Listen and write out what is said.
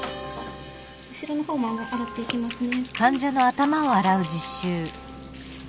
後ろの方も洗っていきますね。